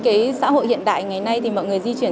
cái xã hội hiện đại ngày nay thì mọi người di chuyển